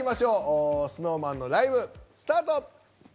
ＳｎｏｗＭａｎのライブスタート！